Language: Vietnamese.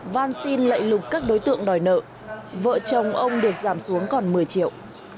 văn xin lệ lục các đối tượng đòi nợ vợ chồng ông được giảm xuống còn một mươi triệu